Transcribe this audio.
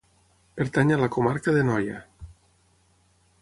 Pertany a la Comarca de Noia.